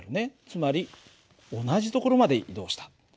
つまり同じ所まで移動した。